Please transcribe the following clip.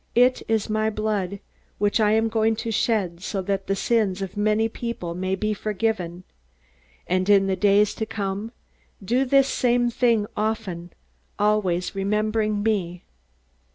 It is my blood, which I am going to shed so that the sins of many people may be forgiven. And in the days to come, do this same thing often, always remembering me."